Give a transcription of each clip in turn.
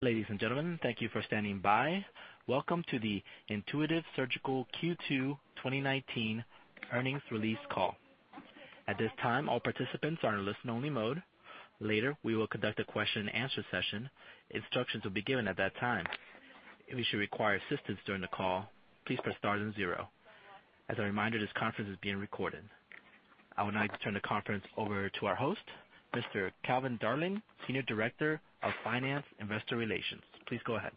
Ladies and gentlemen, thank you for standing by. Welcome to the Intuitive Surgical Q2 2019 earnings release call. At this time, all participants are in listen only mode. Later, we will conduct a question and answer session. Instructions will be given at that time. If you should require assistance during the call, please press star then zero. As a reminder, this conference is being recorded. I would like to turn the conference over to our host, Mr. Calvin Darling, Senior Director of Finance Investor Relations. Please go ahead.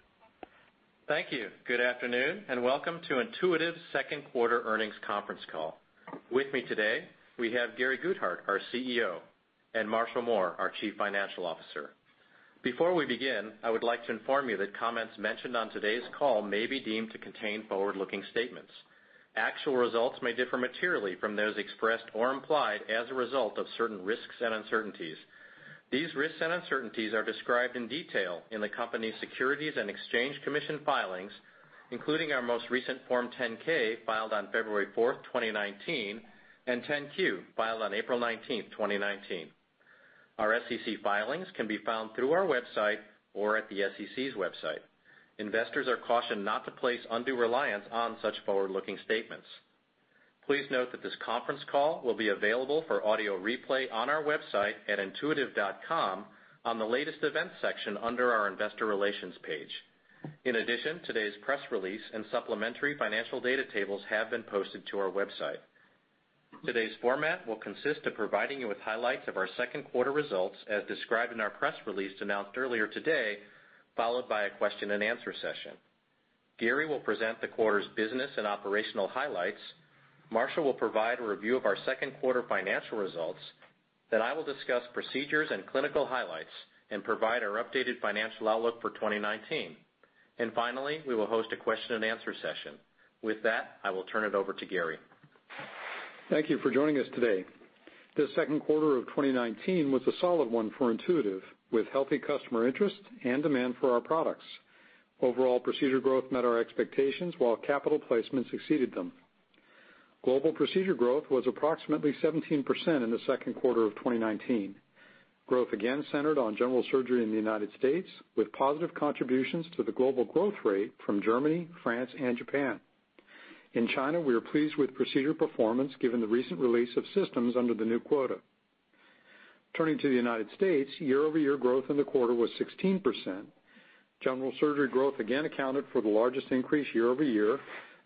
Thank you. Good afternoon and welcome to Intuitive's Q2 earnings conference call. With me today, we have Gary Guthart, our CEO, and Marshall Mohr, our Chief Financial Officer. Before we begin, I would like to inform you that comments mentioned on today's call may be deemed to contain forward-looking statements. Actual results may differ materially from those expressed or implied as a result of certain risks and uncertainties. These risks and uncertainties are described in detail in the company's Securities and Exchange Commission filings, including our most recent Form 10-K filed on February fourth, 2019, and 10-Q, filed on April 19th, 2019. Our SEC filings can be found through our website or at the SEC's website. Investors are cautioned not to place undue reliance on such forward-looking statements. Please note that this conference call will be available for audio replay on our website at intuitive.com on the Latest Events section under our Investor Relations page. In addition, today's press release and supplementary financial data tables have been posted to our website. Today's format will consist of providing you with highlights of our Q2 results as described in our press release announced earlier today, followed by a question and answer session. Gary will present the quarter's business and operational highlights. Marshall will provide a review of our Q2 financial results. I will discuss procedures and clinical highlights and provide our updated financial outlook for 2019. Finally, we will host a question and answer session. With that, I will turn it over to Gary. Thank you for joining us today. The Q2 of 2019 was a solid one for Intuitive, with healthy customer interest and demand for our products. Overall procedure growth met our expectations while capital placement exceeded them. Global procedure growth was approximately 17% in the Q2 of 2019. Growth again centered on general surgery in the U.S. with positive contributions to the global growth rate from Germany, France, and Japan. In China, we are pleased with procedure performance given the recent release of systems under the new quota. Turning to the U.S., year-over-year growth in the quarter was 16%. General surgery growth again accounted for the largest increase year-over-year,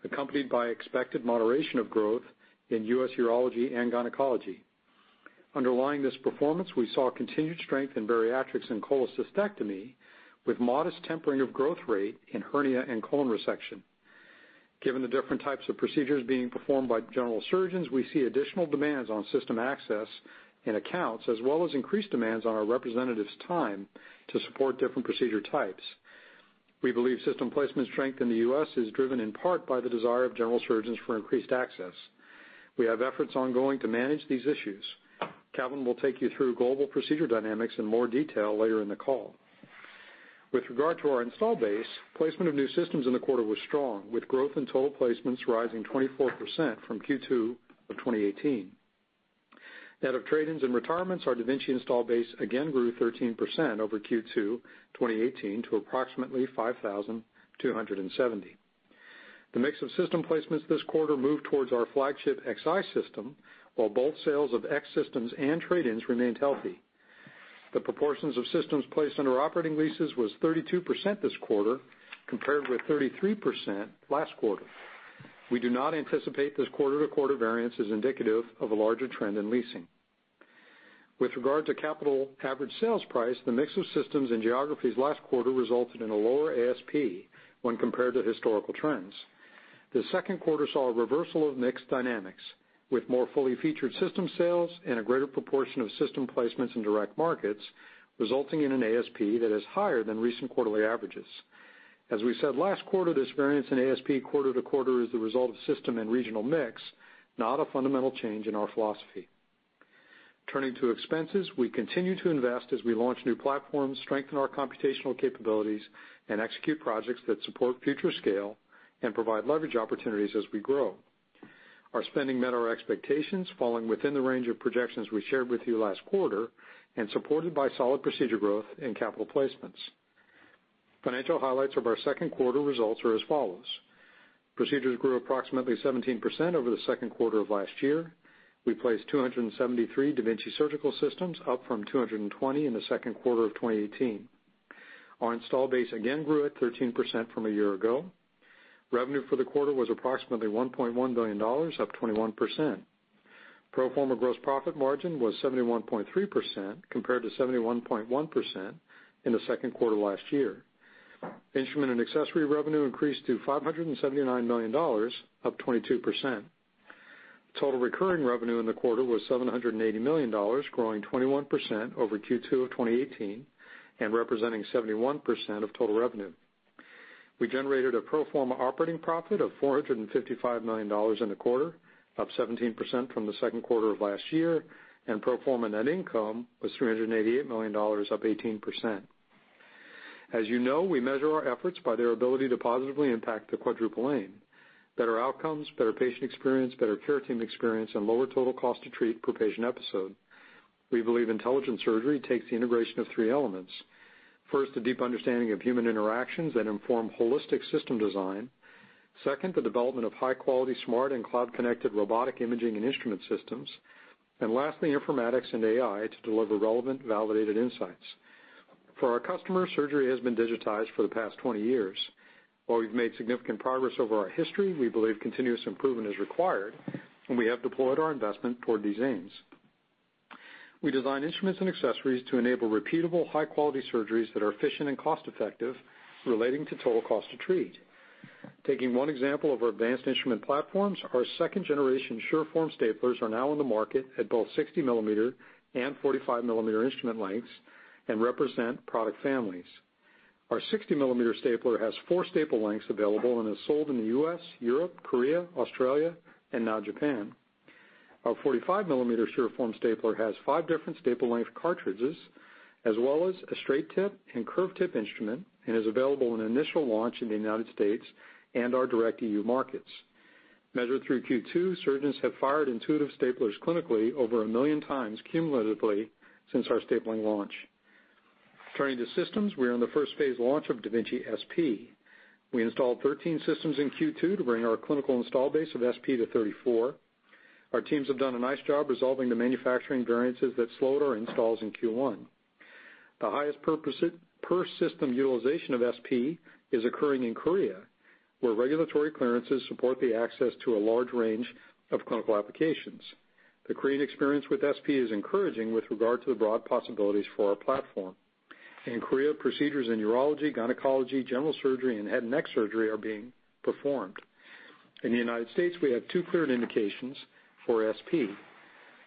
accompanied by expected moderation of growth in U.S. urology and gynecology. Underlying this performance, we saw continued strength in bariatrics and cholecystectomy with modest tempering of growth rate in hernia and colon resection. Given the different types of procedures being performed by general surgeons, we see additional demands on system access and accounts, as well as increased demands on our representatives' time to support different procedure types. We believe system placement strength in the U.S. is driven in part by the desire of general surgeons for increased access. We have efforts ongoing to manage these issues. Calvin will take you through global procedure dynamics in more detail later in the call. With regard to our install base, placement of new systems in the quarter was strong with growth in total placements rising 24% from Q2 2018. Net of trade-ins and retirements, our da Vinci install base again grew 13% over Q2 2018 to approximately 5,270. The mix of system placements this quarter moved towards our flagship Xi system, while both sales of X systems and trade-ins remained healthy. The proportions of systems placed under operating leases was 32% this quarter, compared with 33% last quarter. We do not anticipate this quarter-to-quarter variance as indicative of a larger trend in leasing. With regard to capital average sales price, the mix of systems and geographies last quarter resulted in a lower ASP when compared to historical trends. The Q2 saw a reversal of mix dynamics with more fully featured system sales and a greater proportion of system placements in direct markets, resulting in an ASP that is higher than recent quarterly averages. As we said last quarter, this variance in ASP quarter-to-quarter is the result of system and regional mix, not a fundamental change in our philosophy. Turning to expenses, we continue to invest as we launch new platforms, strengthen our computational capabilities, and execute projects that support future scale and provide leverage opportunities as we grow. Our spending met our expectations, falling within the range of projections we shared with you last quarter and supported by solid procedure growth and capital placements. Financial highlights of our Q2 results are as follows. Procedures grew approximately 17% over the Q2 of last year. We placed 273 da Vinci surgical systems, up from 220 in the Q2 of 2018. Our install base again grew at 13% from a year ago. Revenue for the quarter was approximately $1.1 billion, up 21%. Pro forma gross profit margin was 71.3% compared to 71.1% in the Q2 last year. Instrument and Accessory revenue increased to $579 million, up 22%. Total recurring revenue in the quarter was $780 million, growing 21% over Q2 2018 and representing 71% of total revenue. We generated a pro forma operating profit of $455 million in the quarter, up 17% from the Q2 of last year, and pro forma net income was $388 million, up 18%. As you know, we measure our efforts by their ability to positively impact the Quadruple Aim. Better outcomes, better patient experience, better care team experience, and lower total cost to treat per patient episode. We believe intelligent surgery takes the integration of three elements. First, a deep understanding of human interactions that inform holistic system design. Second, the development of high-quality, smart, and cloud-connected robotic imaging and instrument systems. Lastly, informatics and AI to deliver relevant, validated insights. For our customers, surgery has been digitized for the past 20 years. While we've made significant progress over our history, we believe continuous improvement is required, and we have deployed our investment toward these aims. We design instruments and accessories to enable repeatable, high-quality surgeries that are efficient and cost-effective relating to total cost to treat. Taking one example of our advanced instrument platforms, our second-generation SureForm staplers are now on the market at both 60 mm and 45 mm instrument lengths and represent product families. Our 60 mm stapler has four staple lengths available and is sold in the U.S., Europe, Korea, Australia, and now Japan. Our 45 mm SureForm stapler has five different staple length cartridges, as well as a straight tip and curve tip instrument, and is available in initial launch in the United States and our direct E.U. markets. Measured through Q2, surgeons have fired Intuitive staplers clinically over a million times cumulatively since our stapling launch. Turning to systems, we are in the first phase launch of da Vinci SP. We installed 13 systems in Q2 to bring our clinical install base of SP to 34. Our teams have done a nice job resolving the manufacturing variances that slowed our installs in Q1. The highest per system utilization of SP is occurring in Korea, where regulatory clearances support the access to a large range of clinical applications. The Korean experience with SP is encouraging with regard to the broad possibilities for our platform. In Korea, procedures in urology, gynecology, general surgery, and head and neck surgery are being performed. In the United States, we have two cleared indications for SP,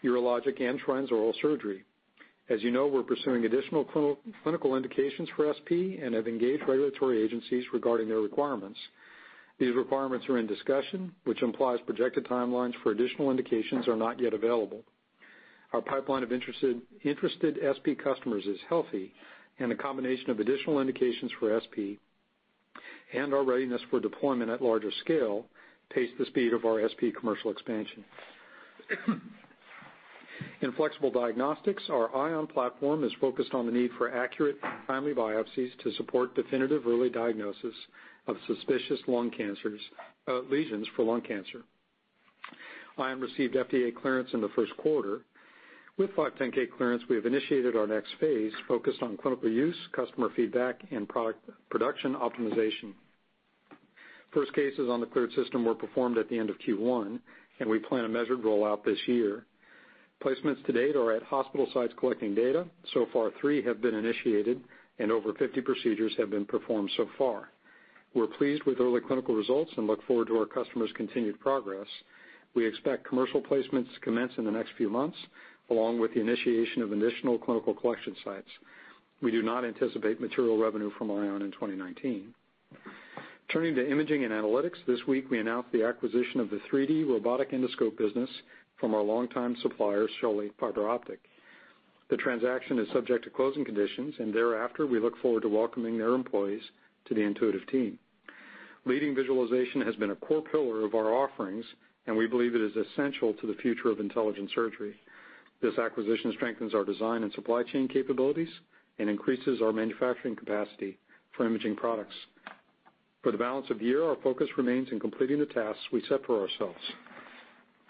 urologic and transoral surgery. As you know, we're pursuing additional clinical indications for SP and have engaged regulatory agencies regarding their requirements. These requirements are in discussion, which implies projected timelines for additional indications are not yet available. Our pipeline of interested SP customers is healthy, and a combination of additional indications for SP and our readiness for deployment at larger scale pace the speed of our SP commercial expansion. In flexible diagnostics, our Ion platform is focused on the need for accurate and timely biopsies to support definitive early diagnosis of suspicious lesions for lung cancer. Ion received FDA clearance in the Q1. With 510 clearance, we have initiated our next phase, focused on clinical use, customer feedback, and production optimization. First cases on the cleared system were performed at the end of Q1, and we plan a measured rollout this year. Placements to date are at hospital sites collecting data. So far, three have been initiated, and over 50 procedures have been performed so far. We're pleased with early clinical results and look forward to our customers' continued progress. We expect commercial placements to commence in the next few months, along with the initiation of additional clinical collection sites. We do not anticipate material revenue from Ion in 2019. Turning to imaging and analytics, this week we announced the acquisition of the 3D robotic endoscope business from our longtime supplier, Schölly Fiberoptic. The transaction is subject to closing conditions, and thereafter, we look forward to welcoming their employees to the Intuitive team. Leading visualization has been a core pillar of our offerings, and we believe it is essential to the future of intelligent surgery. This acquisition strengthens our design and supply chain capabilities and increases our manufacturing capacity for imaging products. For the balance of the year, our focus remains in completing the tasks we set for ourselves.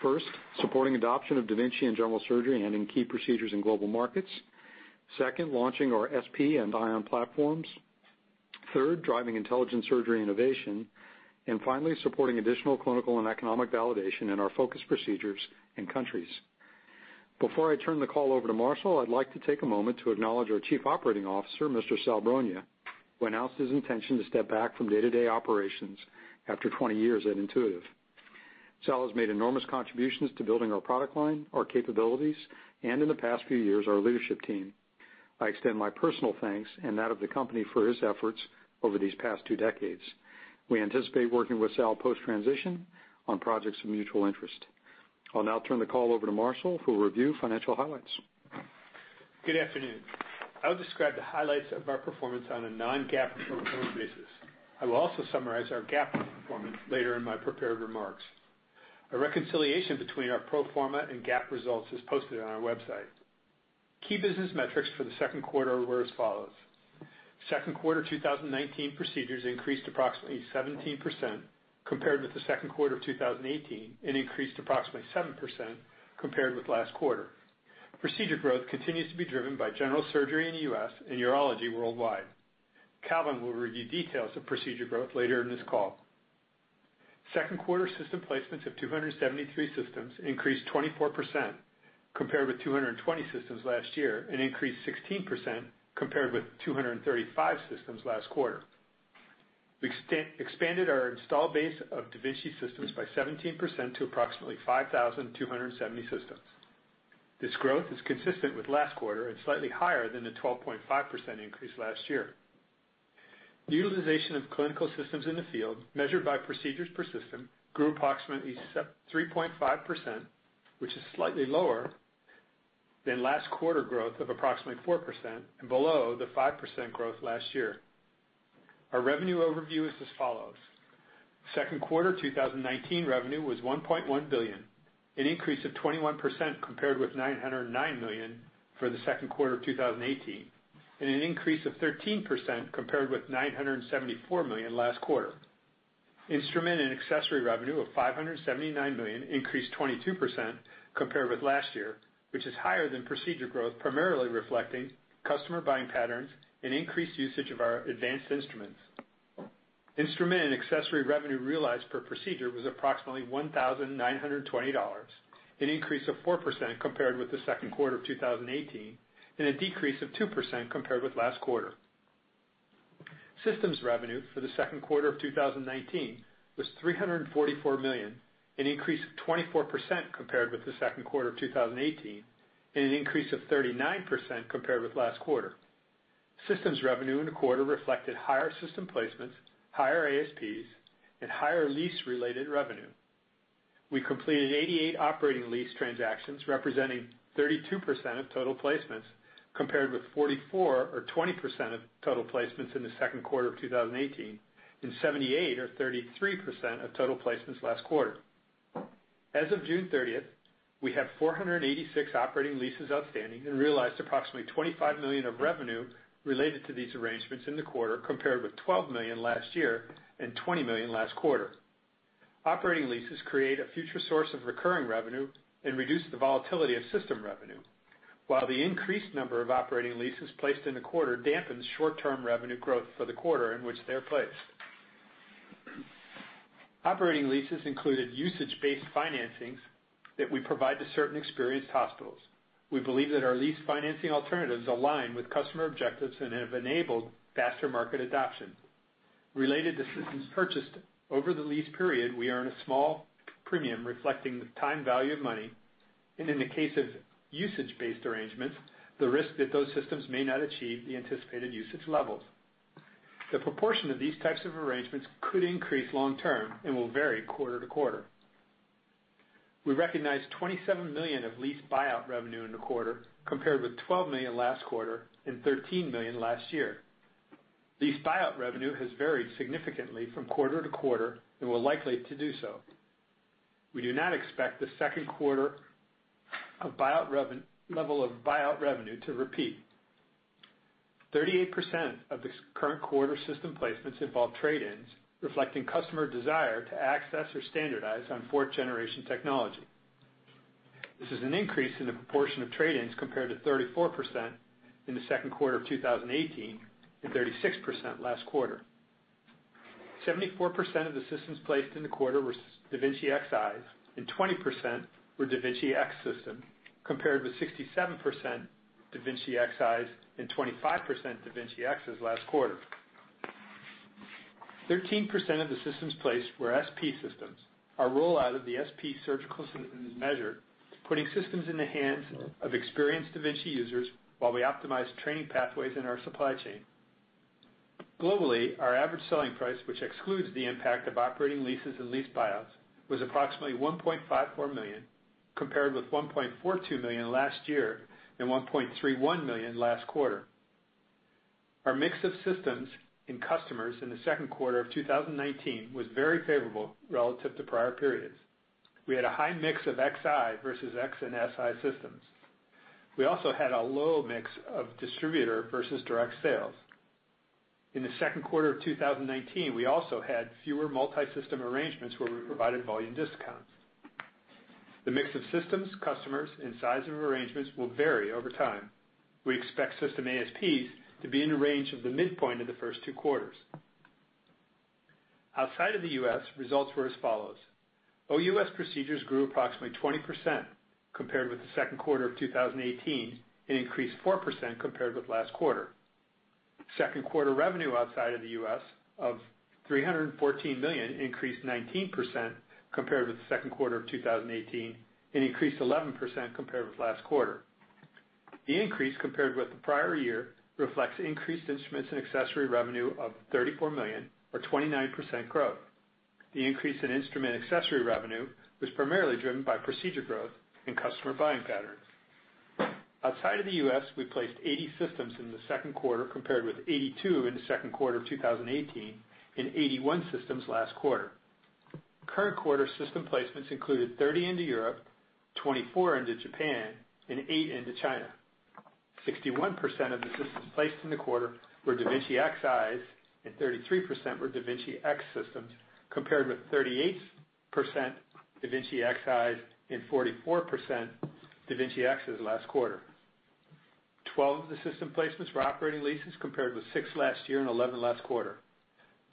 First, supporting adoption of da Vinci in general surgery and in key procedures in global markets. Second, launching our SP and Ion platforms. Third, driving intelligent surgery innovation. Finally, supporting additional clinical and economic validation in our focus procedures and countries. Before I turn the call over to Marshall, I'd like to take a moment to acknowledge our Chief Operating Officer, Mr. Sal Brogna, who announced his intention to step back from day-to-day operations after 20 years at Intuitive. Sal has made enormous contributions to building our product line, our capabilities, and in the past few years, our leadership team. I extend my personal thanks and that of the company for his efforts over these past two decades. We anticipate working with Sal post-transition on projects of mutual interest. I'll now turn the call over to Marshall, who will review financial highlights. Good afternoon. I'll describe the highlights of our performance on a non-GAAP or pro forma basis. I will also summarize our GAAP performance later in my prepared remarks. A reconciliation between our pro forma and GAAP results is posted on our website. Key business metrics for the Q2 were as follows. Q2 2019 procedures increased approximately 17% compared with the Q2 of 2018 and increased approximately 7% compared with last quarter. Procedure growth continues to be driven by general surgery in the U.S. and urology worldwide. Calvin will review details of procedure growth later in this call. Q2 system placements of 273 systems increased 24% compared with 220 systems last year and increased 16% compared with 235 systems last quarter. We expanded our install base of da Vinci systems by 17% to approximately 5,270 systems. This growth is consistent with last quarter and slightly higher than the 12.5% increase last year. Utilization of clinical systems in the field, measured by procedures per system, grew approximately 3.5%, which is slightly lower than last quarter growth of approximately 4% and below the 5% growth last year. Our revenue overview is as follows: Q2 2019 revenue was $1.1 billion, an increase of 21% compared with $909 million for the Q2 of 2018, and an increase of 13% compared with $974 million last quarter. Instruments and Accessories revenue of $579 million increased 22% compared with last year, which is higher than procedure growth, primarily reflecting customer buying patterns and increased usage of our advanced instruments. Instruments and Accessories revenue realized per procedure was approximately $1,920, an increase of 4% compared with the Q2 of 2018, and a decrease of 2% compared with last quarter. Systems revenue for the Q2 of 2019 was $344 million, an increase of 24% compared with the Q2 of 2018, and an increase of 39% compared with last quarter. Systems revenue in the quarter reflected higher system placements, higher ASPs, and higher lease-related revenue. We completed 88 operating lease transactions, representing 32% of total placements, compared with 44, or 20% of total placements in the Q2 of 2018, and 78 or 33% of total placements last quarter. As of June 30th, we have 486 operating leases outstanding and realized approximately $25 million of revenue related to these arrangements in the quarter, compared with $12 million last year and $20 million last quarter. Operating leases create a future source of recurring revenue and reduce the volatility of system revenue. The increased number of operating leases placed in the quarter dampens short-term revenue growth for the quarter in which they are placed. Operating leases included usage-based financings that we provide to certain experienced hospitals. We believe that our lease financing alternatives align with customer objectives and have enabled faster market adoption. Related to systems purchased over the lease period, we earn a small premium reflecting the time value of money, and in the case of usage-based arrangements, the risk that those systems may not achieve the anticipated usage levels. The proportion of these types of arrangements could increase long term and will vary quarter to quarter. We recognized $27 million of lease buyout revenue in the quarter, compared with $12 million last quarter and $13 million last year. Lease buyout revenue has varied significantly from quarter to quarter and will likely to do so. We do not expect the Q2 level of buyout revenue to repeat. 38% of the current quarter system placements involve trade-ins, reflecting customer desire to access or standardize on fourth-generation technology. This is an increase in the proportion of trade-ins compared to 34% in the Q2 of 2018 and 36% last quarter. 74% of the systems placed in the quarter were da Vinci Xis and 20% were da Vinci X systems, compared with 67% da Vinci Xis and 25% da Vinci Xs last quarter. 13% of the systems placed were SP systems. Our rollout of the SP surgical system is measured putting systems in the hands of experienced da Vinci users while we optimize training pathways in our supply chain. Globally, our average selling price, which excludes the impact of operating leases and lease buyouts, was approximately $1.54 million, compared with $1.42 million last year and $1.31 million last quarter. Our mix of systems and customers in the Q2 of 2019 was very favorable relative to prior periods. We had a high mix of Xi versus X and Si systems. We also had a low mix of distributor versus direct sales. In the Q2 of 2019, we also had fewer multisystem arrangements where we provided volume discounts. The mix of systems, customers, and size of arrangements will vary over time. We expect system ASPs to be in the range of the midpoint of the first two quarters. Outside of the U.S., results were as follows. OUS procedures grew approximately 20% compared with the Q2 of 2018 and increased 4% compared with last quarter. Q2 revenue outside of the U.S. of $314 million increased 19% compared with the Q2 of 2018 and increased 11% compared with last quarter. The increase compared with the prior year reflects increased instruments and accessory revenue of $34 million or 29% growth. The increase in instrument accessory revenue was primarily driven by procedure growth and customer buying patterns. Outside of the U.S., we placed 80 systems in the Q2, compared with 82 in the Q2 of 2018 and 81 systems last quarter. Current quarter system placements included 30 into Europe, 24 into Japan, and eight into China. 61% of the systems placed in the quarter were da Vinci Xis and 33% were da Vinci X systems, compared with 38% da Vinci Xis and 44% da Vinci Xs last quarter. 12 of the system placements were operating leases compared with six last year and 11 last quarter.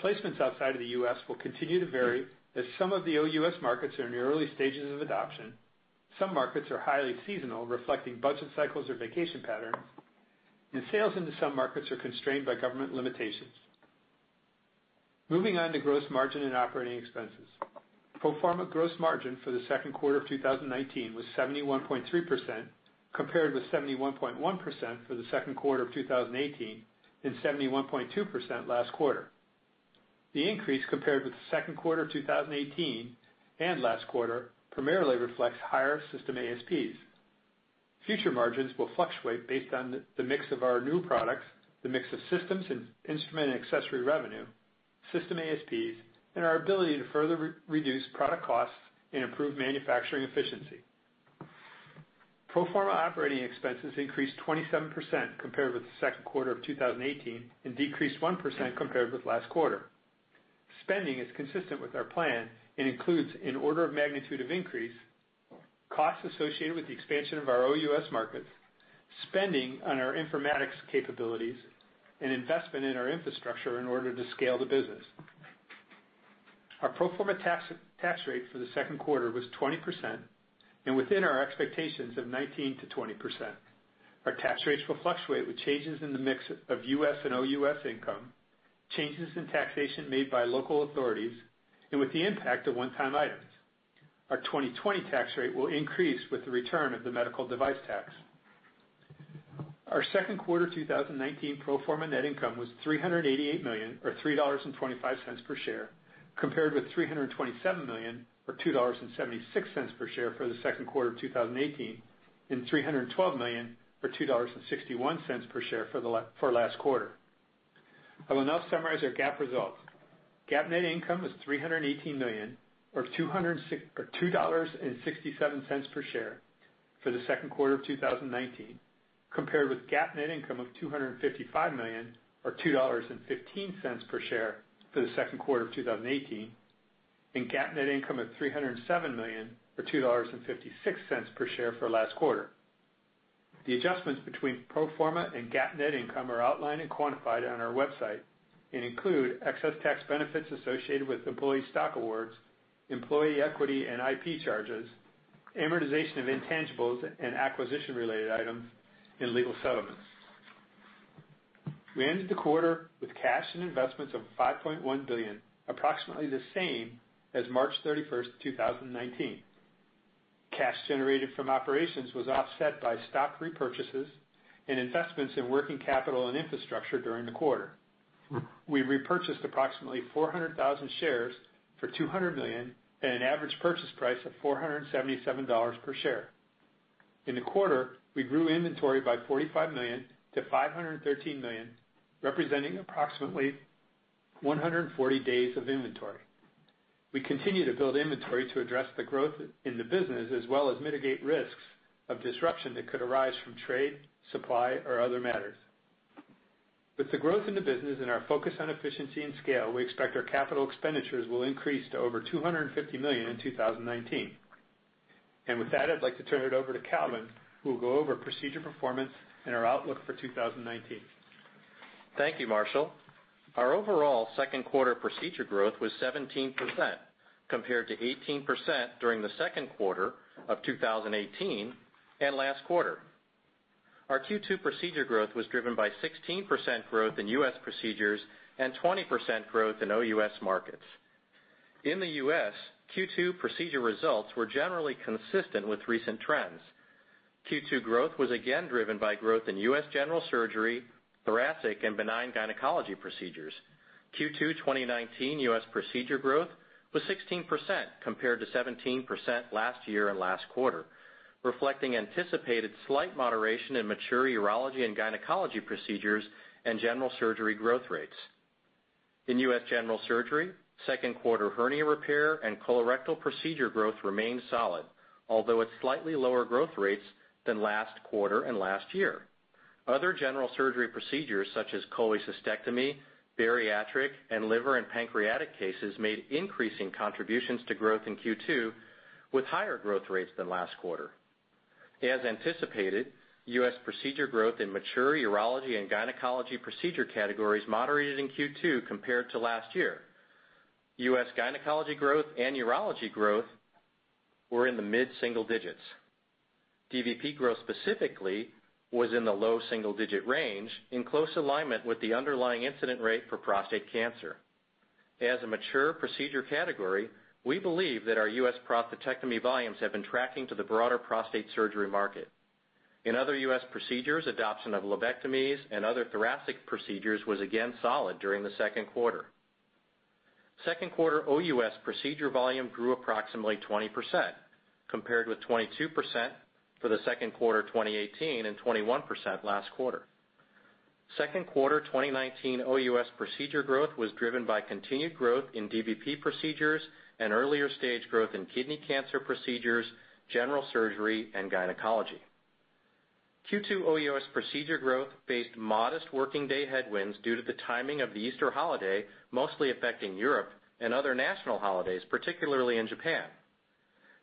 Placements outside of the U.S. will continue to vary as some of the OUS markets are in the early stages of adoption. Some markets are highly seasonal, reflecting budget cycles or vacation patterns, sales into some markets are constrained by government limitations. Moving on to gross margin and operating expenses. Pro forma gross margin for the Q2 of 2019 was 71.3%, compared with 71.1% for the Q2 of 2018 and 71.2% last quarter. The increase compared with the Q2 of 2018 and last quarter primarily reflects higher system ASPs. Future margins will fluctuate based on the mix of our new products, the mix of systems and instrument and accessory revenue, system ASPs, and our ability to further reduce product costs and improve manufacturing efficiency. Pro forma operating expenses increased 27% compared with the Q2 of 2018, decreased 1% compared with last quarter. Spending is consistent with our plan and includes, in order of magnitude of increase, costs associated with the expansion of our OUS markets, spending on our informatics capabilities, and investment in our infrastructure in order to scale the business. Our pro forma tax rate for the Q2 was 20% and within our expectations of 19%-20%. Our tax rates will fluctuate with changes in the mix of U.S. and OUS income, changes in taxation made by local authorities, and with the impact of one-time items. Our 2020 tax rate will increase with the return of the medical device tax. Our Q2 2019 pro forma net income was $388 million or $3.25 per share, compared with $327 million or $2.76 per share for the Q2 of 2018, $312 million or $2.61 per share for last quarter. I will now summarize our GAAP results. GAAP net income was $318 million or $2.67 per share for the Q2 of 2019, compared with GAAP net income of $255 million or $2.15 per share for the Q2 of 2018, GAAP net income of $307 million or $2.56 per share for last quarter. The adjustments between pro forma and GAAP net income are outlined and quantified on our website and include excess tax benefits associated with employee stock awards, employee equity and IP charges, amortization of intangibles and acquisition-related items and legal settlements. We ended the quarter with cash and investments of $5.1 billion, approximately the same as March 31st, 2019. Cash generated from operations was offset by stock repurchases and investments in working capital and infrastructure during the quarter. We repurchased approximately 400,000 shares for $200 million at an average purchase price of $477 per share. In the quarter, we grew inventory by $45 million to $513 million, representing approximately 140 days of inventory. We continue to build inventory to address the growth in the business, as well as mitigate risks of disruption that could arise from trade, supply, or other matters. With the growth in the business and our focus on efficiency and scale, we expect our capital expenditures will increase to over $250 million in 2019. With that, I'd like to turn it over to Calvin, who will go over procedure performance and our outlook for 2019. Thank you, Marshall. Our overall Q2 procedure growth was 17%, compared to 18% during the Q2 of 2018 and last quarter. Our Q2 procedure growth was driven by 16% growth in U.S. procedures and 20% growth in OUS markets. In the U.S., Q2 procedure results were generally consistent with recent trends. Q2 growth was again driven by growth in U.S. general surgery, thoracic and benign gynecology procedures. Q2 2019 U.S. procedure growth was 16% compared to 17% last year and last quarter, reflecting anticipated slight moderation in mature urology and gynecology procedures and general surgery growth rates. In U.S. general surgery, Q2 hernia repair and colorectal procedure growth remained solid, although at slightly lower growth rates than last quarter and last year. Other general surgery procedures such as cholecystectomy, bariatric, and liver and pancreatic cases made increasing contributions to growth in Q2, with higher growth rates than last quarter. As anticipated, U.S. procedure growth in mature urology and gynecology procedure categories moderated in Q2 compared to last year. U.S. gynecology growth and urology growth were in the mid-single digits. dVP growth specifically was in the low single-digit range, in close alignment with the underlying incident rate for prostate cancer. As a mature procedure category, we believe that our U.S. prostatectomy volumes have been tracking to the broader prostate surgery market. In other U.S. procedures, adoption of lobectomies and other thoracic procedures was again solid during the Q2. Q2 OUS procedure volume grew approximately 20%, compared with 22% for the Q2 2018 and 21% last quarter. Q2 2019 OUS procedure growth was driven by continued growth in dVP procedures and earlier stage growth in kidney cancer procedures, general surgery, and gynecology. Q2 OUS procedure growth faced modest working day headwinds due to the timing of the Easter holiday, mostly affecting Europe and other national holidays, particularly in Japan.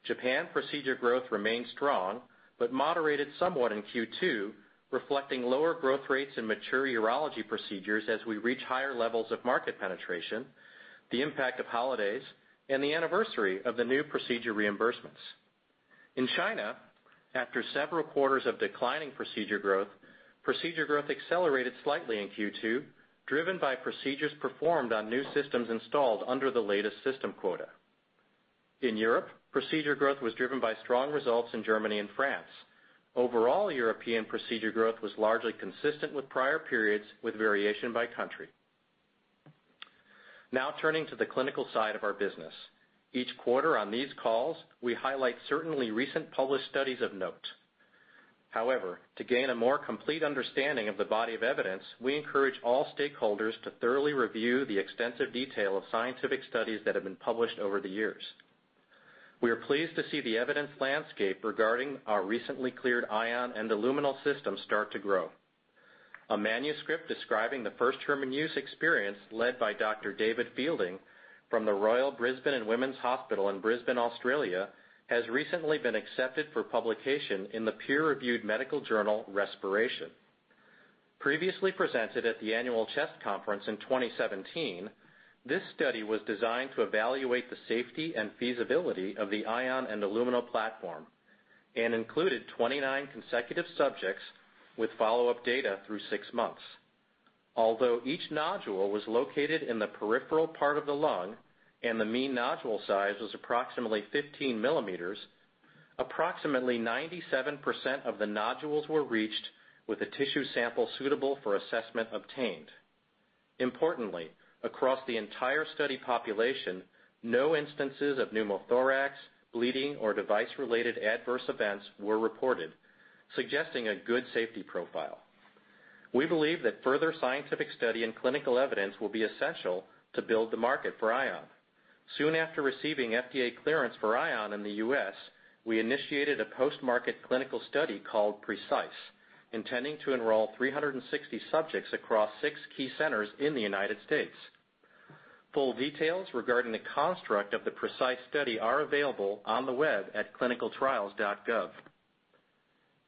Japan procedure growth remained strong but moderated somewhat in Q2, reflecting lower growth rates in mature urology procedures as we reach higher levels of market penetration, the impact of holidays, and the anniversary of the new procedure reimbursements. In China, after several quarters of declining procedure growth, procedure growth accelerated slightly in Q2, driven by procedures performed on new systems installed under the latest system quota. In Europe, procedure growth was driven by strong results in Germany and France. Overall European procedure growth was largely consistent with prior periods with variation by country. Turning to the clinical side of our business. Each quarter on these calls, we highlight certainly recent published studies of note. However, to gain a more complete understanding of the body of evidence, we encourage all stakeholders to thoroughly review the extensive detail of scientific studies that have been published over the years. We are pleased to see the evidence landscape regarding our recently cleared Ion endoluminal system start to grow. A manuscript describing the first human use experience led by Dr. David Fielding from the Royal Brisbane and Women's Hospital in Brisbane, Australia, has recently been accepted for publication in the peer-reviewed medical journal, Respiration. Previously presented at the annual CHEST Annual Meeting in 2017, this study was designed to evaluate the safety and feasibility of the Ion endoluminal system, and included 29 consecutive subjects with follow-up data through six months. Although each nodule was located in the peripheral part of the lung and the mean nodule size was approximately 15 millimeters, approximately 97% of the nodules were reached with a tissue sample suitable for assessment obtained. Importantly, across the entire study population, no instances of pneumothorax, bleeding, or device-related adverse events were reported, suggesting a good safety profile. We believe that further scientific study and clinical evidence will be essential to build the market for Ion. Soon after receiving FDA clearance for Ion in the U.S., we initiated a post-market clinical study called PRECISE, intending to enroll 360 subjects across six key centers in the United States. Full details regarding the construct of the PRECISE study are available on the web at clinicaltrials.gov.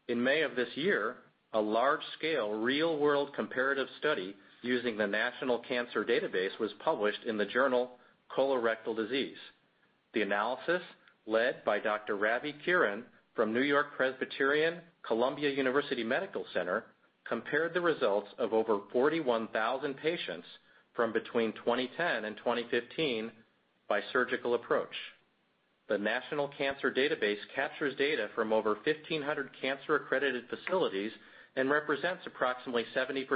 In May of this year, a large-scale real-world comparative study using the National Cancer Database was published in the journal Colorectal Disease. The analysis, led by Dr. Ravi Kiran from NewYork-Presbyterian/Columbia University Medical Center, compared the results of over 41,000 patients from between 2010 and 2015 by surgical approach. The National Cancer Database captures data from over 1,500 cancer-accredited facilities and represents approximately 70%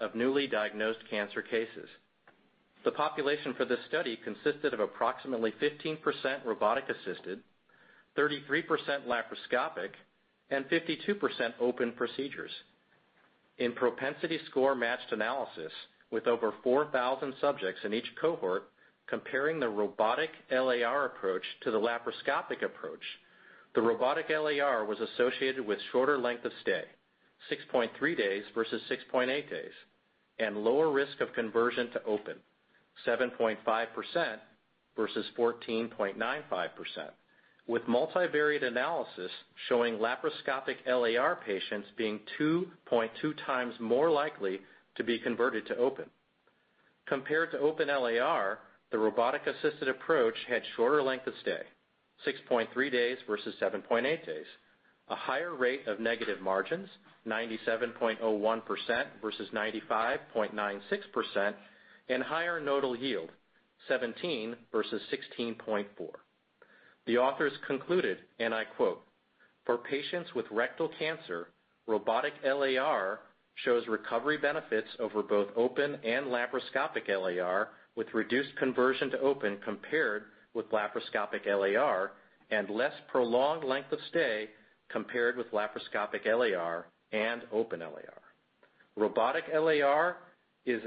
of newly diagnosed cancer cases. The population for this study consisted of approximately 15% robotic-assisted, 33% laparoscopic, and 52% open procedures. In propensity score-matched analysis with over 4,000 subjects in each cohort comparing the robotic LAR approach to the laparoscopic approach, the robotic LAR was associated with shorter length of stay, 6.3 days versus 6.8 days, and lower risk of conversion to open, 7.5% versus 14.95%, with multivariate analysis showing laparoscopic LAR patients being 2.2x more likely to be converted to open. Compared to open LAR, the robotic-assisted approach had shorter length of stay, 6.3 days versus 7.8 days, a higher rate of negative margins, 97.01% versus 95.96%, and higher nodal yield, 17 versus 16.4. The authors concluded, and I quote, "For patients with rectal cancer, robotic LAR shows recovery benefits over both open and laparoscopic LAR, with reduced conversion to open compared with laparoscopic LAR, and less prolonged length of stay compared with laparoscopic LAR and open LAR. Robotic LAR is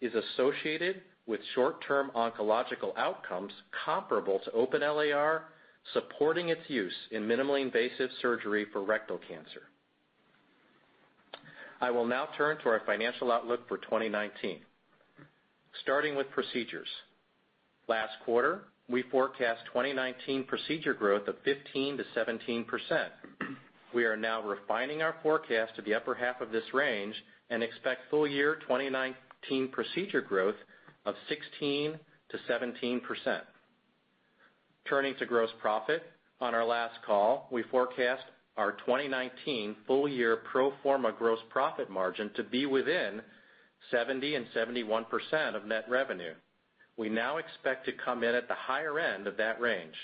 associated with short-term oncological outcomes comparable to open LAR, supporting its use in minimally invasive surgery for rectal cancer." I will now turn to our financial outlook for 2019. Starting with procedures. Last quarter, we forecast 2019 procedure growth of 15%-17%. We are now refining our forecast to the upper half of this range and expect full year 2019 procedure growth of 16%-17%. Turning to gross profit. On our last call, we forecast our 2019 full-year pro forma gross profit margin to be within 70% and 71% of net revenue. We now expect to come in at the higher end of that range.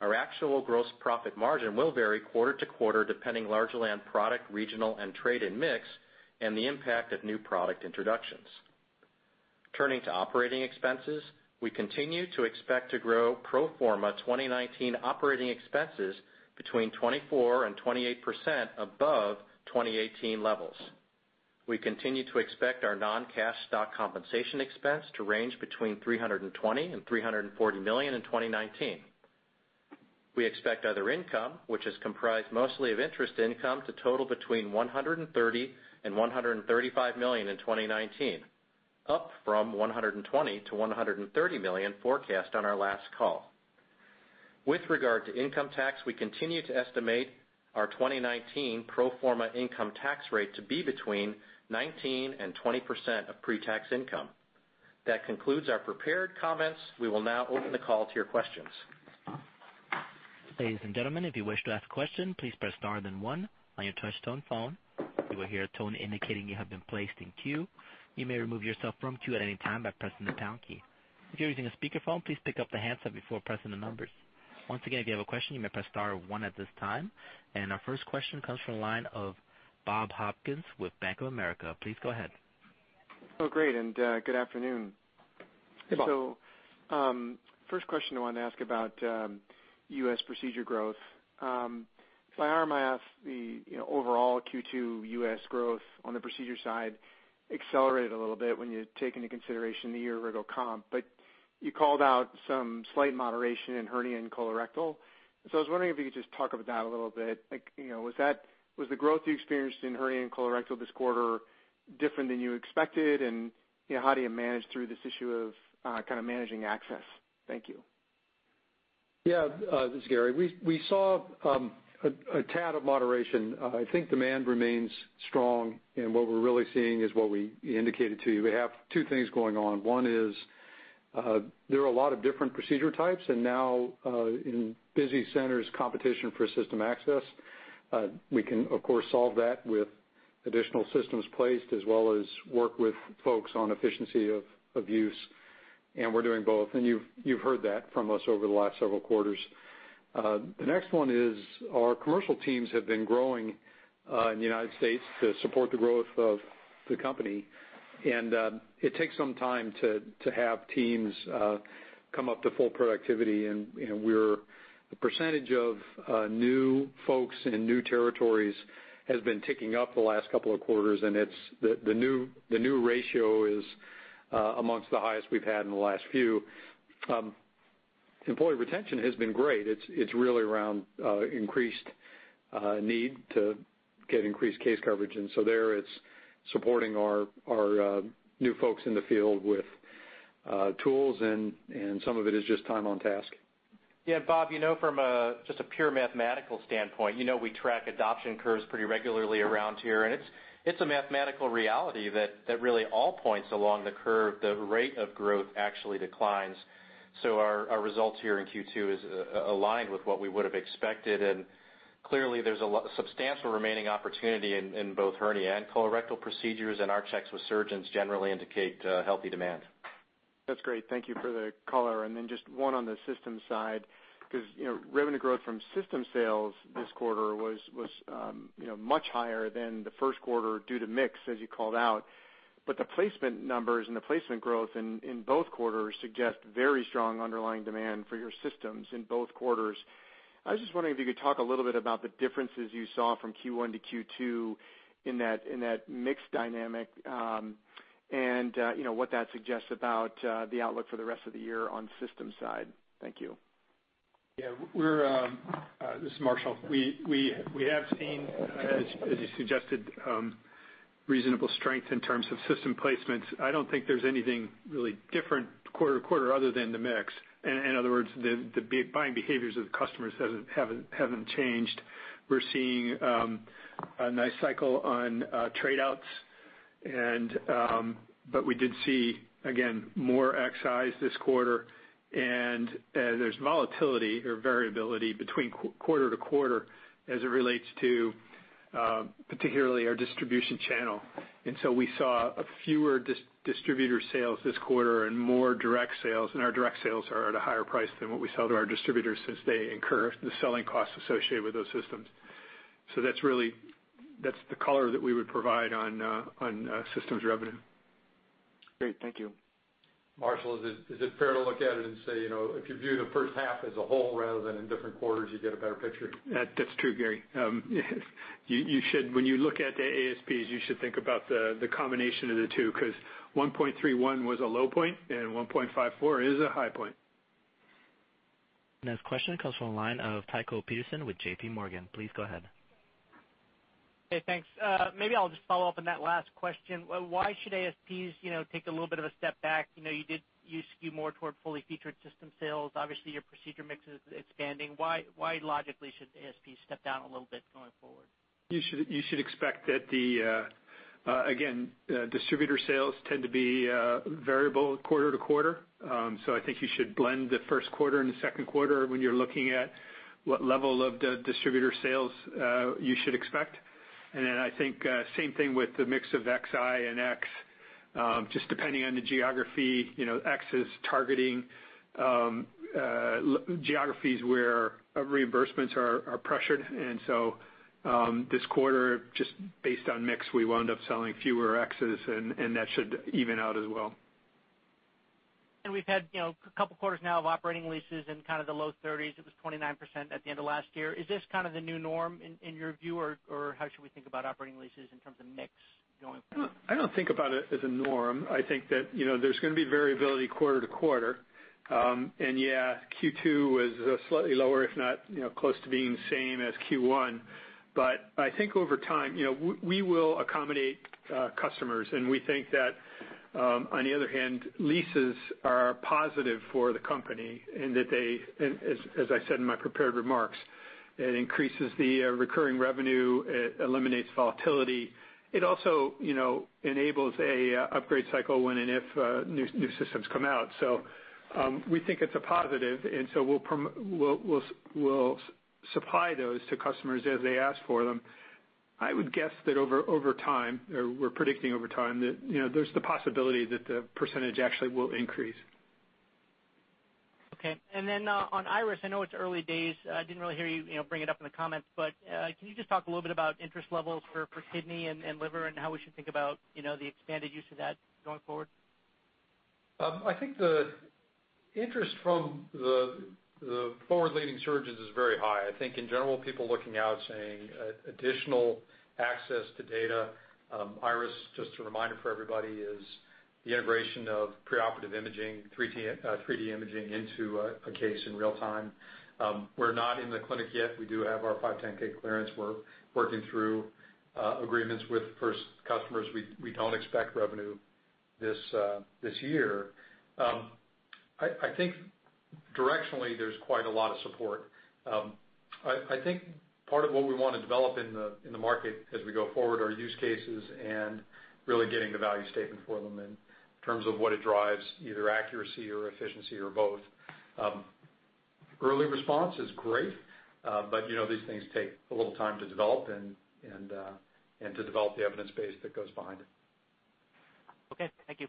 Our actual gross profit margin will vary quarter to quarter, depending largely on product, regional, and trade and mix, and the impact of new product introductions. Turning to operating expenses, we continue to expect to grow pro forma 2019 operating expenses between 24% and 28% above 2018 levels. We continue to expect our non-cash stock compensation expense to range between $320 million and $340 million in 2019. We expect other income, which is comprised mostly of interest income, to total between $130 million and $135 million in 2019, up from $120 million-$130 million forecast on our last call. With regard to income tax, we continue to estimate our 2019 pro forma income tax rate to be between 19% and 20% of pre-tax income. That concludes our prepared comments. We will now open the call to your questions. Ladies and gentlemen, if you wish to ask a question, please press star then one on your touchtone phone. You will hear a tone indicating you have been placed in queue. You may remove yourself from queue at any time by pressing the pound key. If you're using a speakerphone, please pick up the handset before pressing the numbers. Once again, if you have a question, you may press star one at this time. Our first question comes from the line of Bob Hopkins with Bank of America. Please go ahead. Great. Good afternoon. Hey, Bob. First question I wanted to ask about U.S. procedure growth. If I RMIF the overall Q2 U.S. growth on the procedure side accelerated a little bit when you take into consideration the year original comp, but you called out some slight moderation in hernia and colorectal. I was wondering if you could just talk about that a little bit. Was the growth you experienced in hernia and colorectal this quarter different than you expected? How do you manage through this issue of kind of managing access? Thank you. This is Gary. We saw a tad of moderation. I think demand remains strong, what we're really seeing is what we indicated to you. We have two things going on. One is there are a lot of different procedure types, now in busy centers, competition for system access. We can, of course, solve that with additional systems placed as well as work with folks on efficiency of use. We're doing both. You've heard that from us over the last several quarters. The next one is our commercial teams have been growing in the U.S. to support the growth of the company. It takes some time to have teams come up to full productivity, the percentage of new folks in new territories has been ticking up the last couple of quarters, the new ratio is amongst the highest we've had in the last few. Employee retention has been great. It's really around increased need to get increased case coverage. There it's supporting our new folks in the field with tools, some of it is just time on task. Bob, from just a pure mathematical standpoint, we track adoption curves pretty regularly around here, it's a mathematical reality that really all points along the curve, the rate of growth actually declines. Our results here in Q2 is aligned with what we would've expected. Clearly there's a substantial remaining opportunity in both hernia and colorectal procedures, our checks with surgeons generally indicate healthy demand. That's great. Thank you for the color. Just one on the system side, because revenue growth from system sales this quarter was much higher than the Q1 due to mix, as you called out. The placement numbers and the placement growth in both quarters suggest very strong underlying demand for your systems in both quarters. I was just wondering if you could talk a little bit about the differences you saw from Q1 to Q2 in that mix dynamic, and what that suggests about the outlook for the rest of the year on system side. Thank you. This is Marshall. We have seen, as you suggested, reasonable strength in terms of system placements. I don't think there's anything really different quarter to quarter other than the mix. In other words, the buying behaviors of the customers haven't changed. We're seeing a nice cycle on trade-outs. We did see, again, more Xis this quarter, and there's volatility or variability between quarter to quarter as it relates to particularly our distribution channel. We saw fewer distributor sales this quarter and more direct sales, and our direct sales are at a higher price than what we sell to our distributors, since they incur the selling costs associated with those systems. That's the color that we would provide on systems revenue. Great. Thank you. Marshall, is it fair to look at it and say, if you view the H1 as a whole rather than in different quarters, you get a better picture? That's true, Gary. When you look at the ASPs, you should think about the combination of the two, because $1.31 was a low point and $1.54 is a high point. Next question comes from the line of Tycho Peterson with JPMorgan. Please go ahead. Hey, thanks. Maybe I'll just follow up on that last question. Why should ASPs take a little bit of a step back? You skew more toward fully featured system sales. Obviously, your procedure mix is expanding. Why logically should ASP step down a little bit going forward? You should expect that the, again, distributor sales tend to be variable quarter to quarter. I think you should blend the Q1 and the Q2 when you're looking at what level of distributor sales you should expect. I think same thing with the mix of Xi and X, just depending on the geography. X is targeting geographies where reimbursements are pressured. This quarter, just based on mix, we wound up selling fewer Xs, and that should even out as well. We've had a couple quarters now of operating leases in kind of the low 30s. It was 29% at the end of last year. Is this kind of the new norm in your view, or how should we think about operating leases in terms of mix going forward? I don't think about it as a norm. I think that there's going to be variability quarter to quarter. Yeah, Q2 was slightly lower, if not close to being the same as Q1. I think over time, we will accommodate customers, and we think that on the other hand, leases are positive for the company in that they, as I said in my prepared remarks. It increases the recurring revenue. It eliminates volatility. It also enables an upgrade cycle when and if new systems come out. We think it's a positive, and so we'll supply those to customers as they ask for them. I would guess that over time, or we're predicting over time that there's the possibility that the percentage actually will increase. Okay. Then on IRIS, I know it's early days. I didn't really hear you bring it up in the comments, can you just talk a little bit about interest levels for kidney and liver and how we should think about the expanded use of that going forward? I think the interest from the forward-leading surgeons is very high. I think in general, people looking out saying additional access to data. IRIS, just a reminder for everybody, is the integration of preoperative imaging, 3D imaging into a case in real time. We're not in the clinic yet. We do have our 510 clearance. We're working through agreements with first customers. We don't expect revenue this year. I think directionally, there's quite a lot of support. I think part of what we want to develop in the market as we go forward are use cases and really getting the value statement for them in terms of what it drives, either accuracy or efficiency or both. Early response is great, these things take a little time to develop and to develop the evidence base that goes behind it. Okay. Thank you.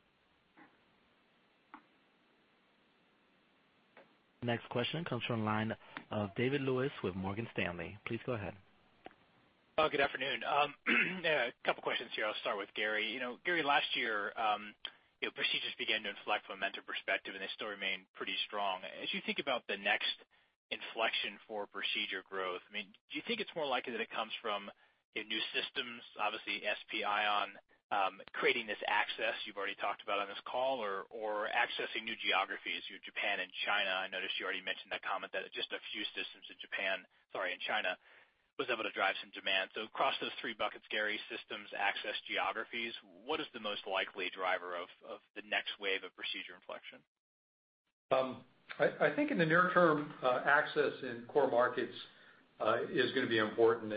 Next question comes from line of David Lewis with Morgan Stanley. Please go ahead. Good afternoon. A couple questions here. I'll start with Gary. Gary, last year, procedures began to inflect from a momentum perspective, and they still remain pretty strong. As you think about the next inflection for procedure growth, do you think it's more likely that it comes from new systems, obviously SP, Ion, creating this access you've already talked about on this call, or accessing new geographies, Japan and China? I noticed you already mentioned that comment that just a few systems in Japan, sorry, in China, was able to drive some demand. Across those three buckets, Gary, systems, access, geographies, what is the most likely driver of the next wave of procedure inflection? I think in the near term, access in core markets is going to be important.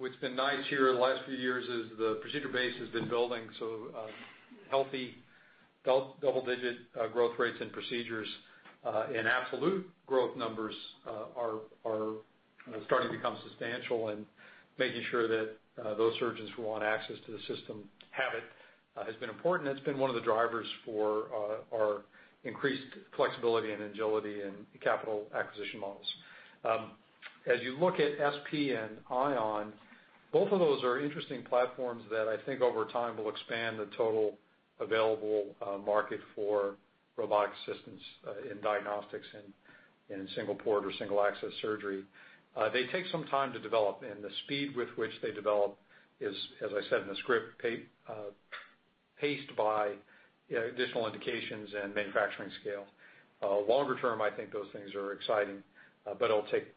What's been nice here the last few years is the procedure base has been building healthy double-digit growth rates and procedures in absolute growth numbers are starting to become substantial and making sure that those surgeons who want access to the system have it has been important. That's been one of the drivers for our increased flexibility and agility in capital acquisition models. As you look at SP and Ion, both of those are interesting platforms that I think over time will expand the total available market for robotic systems in diagnostics in single port or single access surgery. They take some time to develop, and the speed with which they develop is, as I said in the script, paced by additional indications and manufacturing scale. Longer term, I think those things are exciting, but it'll take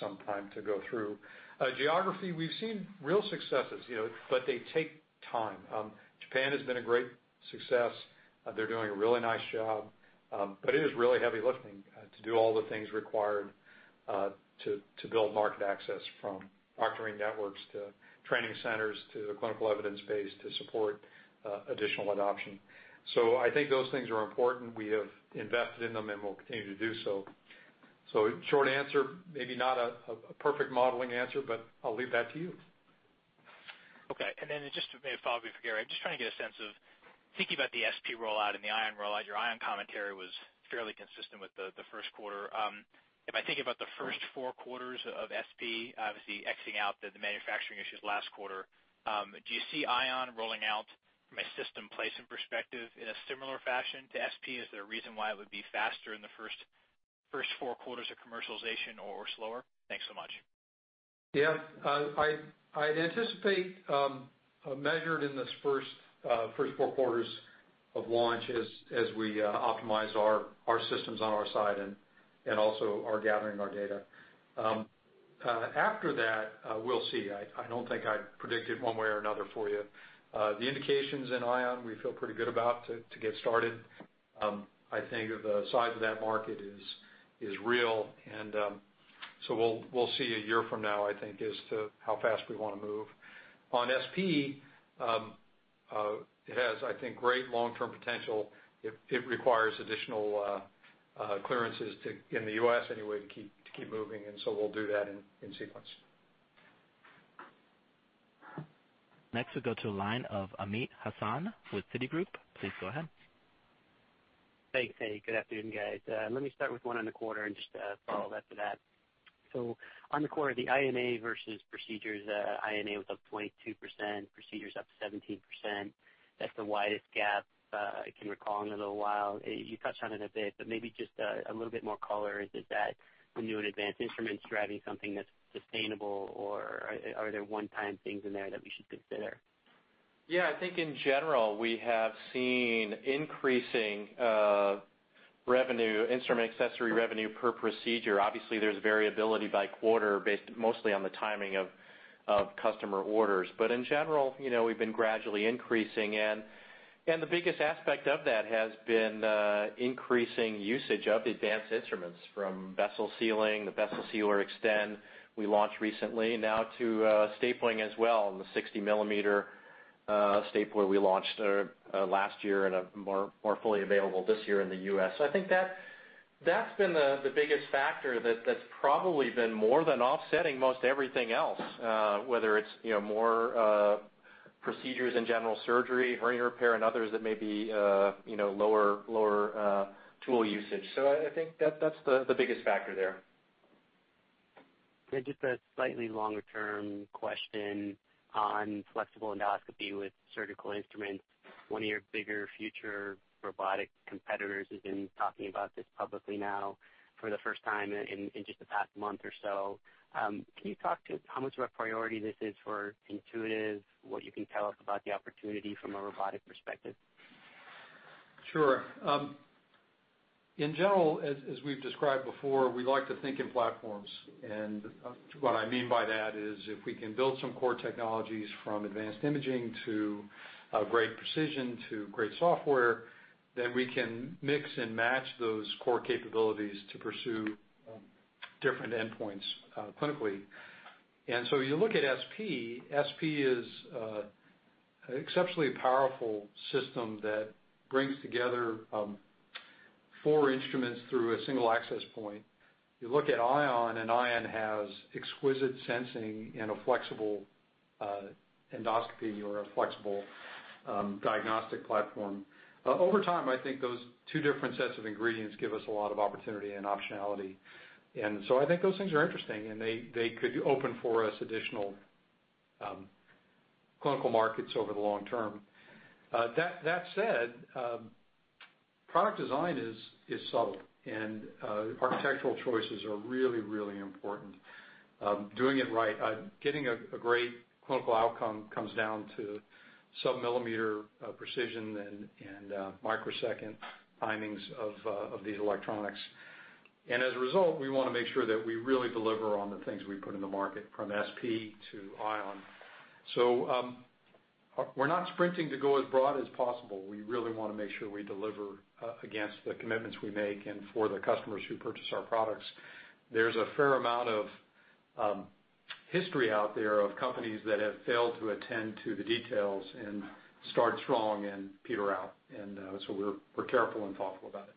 some time to go through. Geography, we've seen real successes, but they take time. Japan has been a great success. They're doing a really nice job. It is really heavy lifting to do all the things required to build market access from proctoring networks to training centers to the clinical evidence base to support additional adoption. I think those things are important. We have invested in them, and we'll continue to do so. Short answer, maybe not a perfect modeling answer, but I'll leave that to you. Okay, just maybe a follow-up for Gary. I'm just trying to get a sense of thinking about the SP rollout and the Ion rollout. Your Ion commentary was fairly consistent with the Q1. If I think about the first four quarters of SP, obviously X-ing out the manufacturing issues last quarter, do you see Ion rolling out from a system placement perspective in a similar fashion to SP? Is there a reason why it would be faster in the first four quarters of commercialization or slower? Thanks so much. Yeah. I'd anticipate measured in this first four quarters of launch as we optimize our systems on our side and also are gathering our data. After that, we'll see. I don't think I'd predict it one way or another for you. The indications in Ion we feel pretty good about to get started. I think the size of that market is real. We'll see a year from now, I think, as to how fast we want to move. On SP, it has, I think, great long-term potential. It requires additional clearances to, in the U.S. anyway, to keep moving. We'll do that in sequence. Next, we'll go to the line of Amit Hazan with Citigroup. Please go ahead. Thanks. Hey, good afternoon, guys. Let me start with one on the quarter and just follow after that. On the quarter, the I&A versus procedures, I&A was up 22%, procedures up 17%. That's the widest gap I can recall in a little while. You touched on it a bit, maybe just a little bit more color. Is that the new and advanced instruments driving something that's sustainable, or are there one-time things in there that we should consider? In general, we have seen increasing revenue, instrument accessory revenue per procedure. Obviously, there's variability by quarter based mostly on the timing of customer orders. In general, we've been gradually increasing, and the biggest aspect of that has been increasing usage of the advanced instruments from vessel sealing, the Vessel Sealer Extend we launched recently, now to stapling as well on the 60-mm stapler we launched last year and are more fully available this year in the U.S. I think that's been the biggest factor that's probably been more than offsetting most everything else, whether it's more procedures in general surgery, hernia repair, and others that may be lower tool usage. I think that's the biggest factor there. Just a slightly longer-term question on flexible endoscopy with surgical instruments. One of your bigger future robotic competitors has been talking about this publicly now for the first time in just the past month or so. Can you talk to how much of a priority this is for Intuitive? What you can tell us about the opportunity from a robotic perspective? Sure. In general, as we've described before, we like to think in platforms. What I mean by that is if we can build some core technologies from advanced imaging to great precision to great software, then we can mix and match those core capabilities to pursue different endpoints clinically. You look at SP is exceptionally powerful system that brings together four instruments through a single access point. You look at Ion has exquisite sensing and a flexible endoscopy or a flexible diagnostic platform. Over time, I think those two different sets of ingredients give us a lot of opportunity and optionality. I think those things are interesting, and they could open for us additional clinical markets over the long term. That said, product design is subtle, and architectural choices are really, really important. Doing it right, getting a great clinical outcome comes down to sub-millimeter precision and microsecond timings of these electronics. As a result, we want to make sure that we really deliver on the things we put in the market from SP to Ion. We're not sprinting to go as broad as possible. We really want to make sure we deliver against the commitments we make and for the customers who purchase our products. There's a fair amount of history out there of companies that have failed to attend to the details and start strong and peter out. We're careful and thoughtful about it.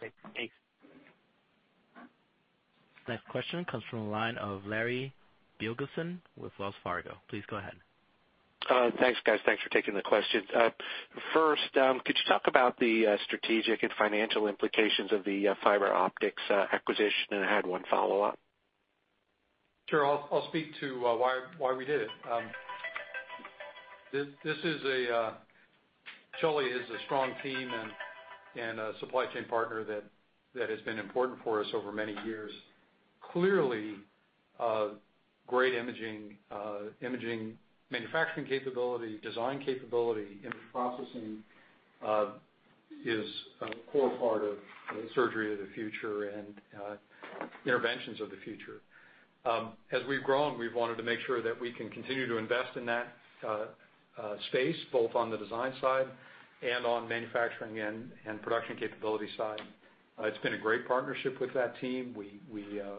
Great. Thanks. Next question comes from the line of Larry Biegelsen with Wells Fargo. Please go ahead. Thanks, guys. Thanks for taking the question. First, could you talk about the strategic and financial implications of the fiber optics acquisition? I had one follow-up. Sure. I'll speak to why we did it. Schölly is a strong team and a supply chain partner that has been important for us over many years. Clearly, great imaging, manufacturing capability, design capability, image processing is a core part of the surgery of the future and interventions of the future. As we've grown, we've wanted to make sure that we can continue to invest in that space, both on the design side and on manufacturing and production capability side. It's been a great partnership with that team. We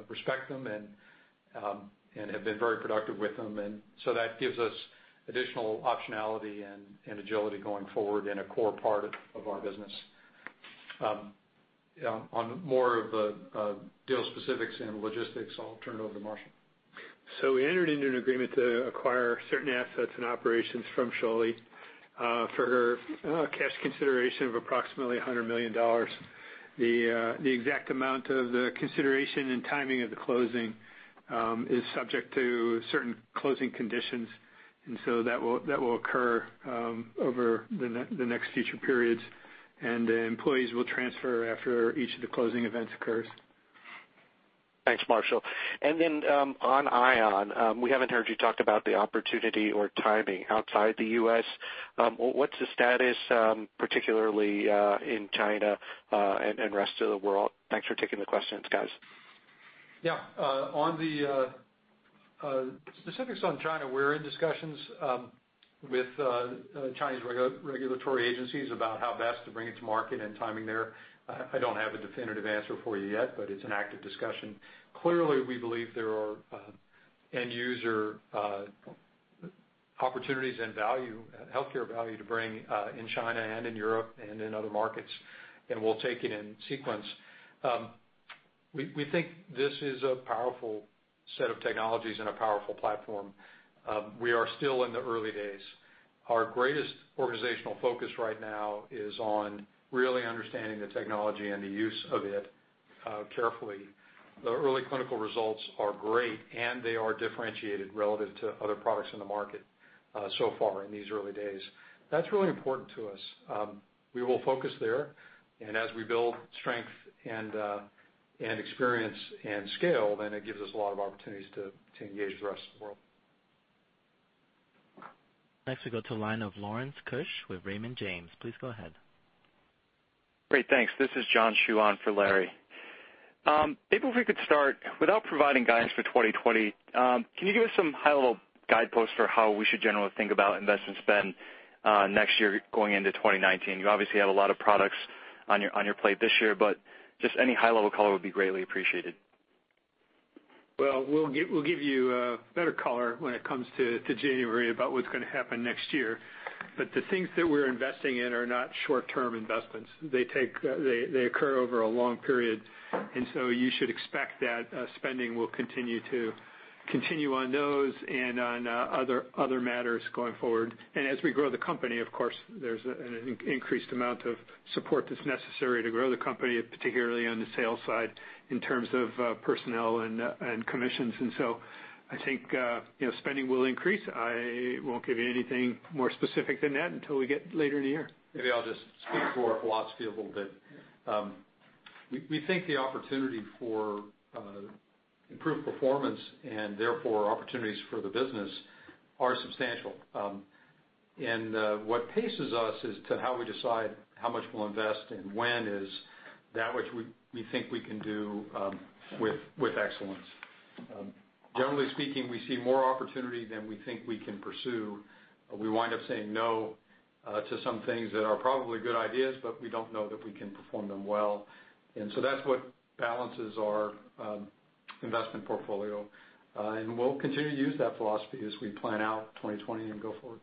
respect them and have been very productive with them, so that gives us additional optionality and agility going forward in a core part of our business. On more of the deal specifics and logistics, I'll turn it over to Marshall. We entered into an agreement to acquire certain assets and operations from Schölly for cash consideration of approximately $100 million. The exact amount of the consideration and timing of the closing is subject to certain closing conditions. That will occur over the next future periods. The employees will transfer after each of the closing events occurs. Thanks, Marshall. On Ion, we haven't heard you talk about the opportunity or timing outside the U.S. What's the status, particularly in China and rest of the world? Thanks for taking the questions, guys. Yeah. On the specifics on China, we're in discussions with Chinese regulatory agencies about how best to bring it to market and timing there. I don't have a definitive answer for you yet, but it's an active discussion. Clearly, we believe there are end user opportunities and value, healthcare value to bring in China and in Europe and in other markets, we'll take it in sequence. We think this is a powerful set of technologies and a powerful platform. We are still in the early days. Our greatest organizational focus right now is on really understanding the technology and the use of it carefully. The early clinical results are great, they are differentiated relative to other products in the market so far in these early days. That's really important to us. We will focus there, as we build strength and experience and scale, it gives us a lot of opportunities to engage the rest of the world. Next, we go to the line of Lawrence Keusch with Raymond James. Please go ahead. Great. Thanks. This is John Chuan for Larry. Maybe if we could start without providing guidance for 2020, can you give us some high-level guideposts for how we should generally think about invest and spend next year going into 2019? You obviously have a lot of products on your plate this year, just any high-level color would be greatly appreciated. Well, we'll give you a better color when it comes to January about what's going to happen next year. The things that we're investing in are not short-term investments. They occur over a long period. You should expect that spending will continue on those and on other matters going forward. As we grow the company, of course, there's an increased amount of support that's necessary to grow the company, particularly on the sales side, in terms of personnel and commissions. I think spending will increase. I won't give you anything more specific than that until we get later in the year. Maybe I'll just speak to our philosophy a little bit. We think the opportunity for improved performance and therefore opportunities for the business are substantial. What paces us as to how we decide how much we'll invest and when is that which we think we can do with excellence. Generally speaking, we see more opportunity than we think we can pursue, but we wind up saying no to some things that are probably good ideas, but we don't know that we can perform them well. That's what balances our investment portfolio. We'll continue to use that philosophy as we plan out 2020 and go forward.